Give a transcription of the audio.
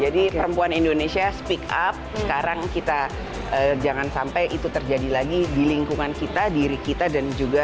jadi perempuan indonesia speak up sekarang kita jangan sampai itu terjadi lagi di lingkungan kita diri kita dan juga